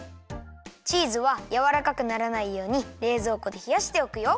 チーズはやわらかくならないようにれいぞうこでひやしておくよ。